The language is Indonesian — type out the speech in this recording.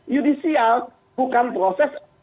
judicial bukan proses